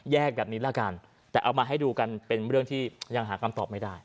แบบนี้ละกันแต่เอามาให้ดูกันเป็นเรื่องที่ยังหาคำตอบไม่ได้